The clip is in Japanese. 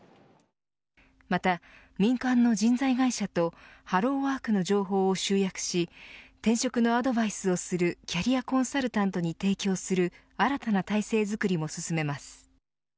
また、民間の人材会社とハローワークの情報を集約し転職のアドバイスをするキャリアコンサルタントに提供する新たな体制づくりも進めます。